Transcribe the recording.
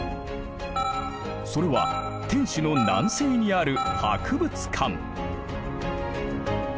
それは天守の南西にある博物館。